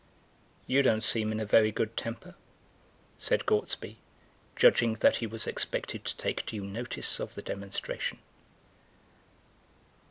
"You don't seem in a very good temper," said Gortsby, judging that he was expected to take due notice of the demonstration.